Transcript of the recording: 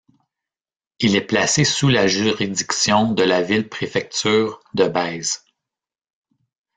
Il est placé sous la juridiction de la ville-préfecture de Baise.